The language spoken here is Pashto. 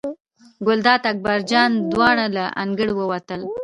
ګلداد او اکبر جان دواړه له انګړه ووتل.